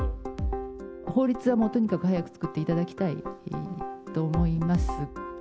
法律はもうとにかく早く作っていただきたいと思います。